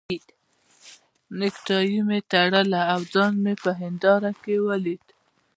نېکټایي مې تړله او ځان مې په هنداره کې ولید.